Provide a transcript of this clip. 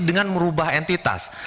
dengan merubah entitas